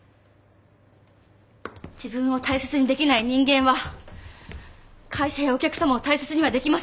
自分を大切にできない人間は会社やお客様を大切にはできません。